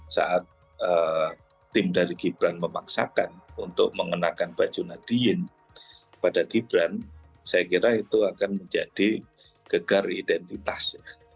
saat tim dari gibran memaksakan untuk mengenakan baju nadiyin pada gibran saya kira itu akan menjadi gegar identitas